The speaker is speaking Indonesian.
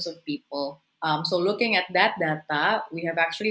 jadi melihat data tersebut kami telah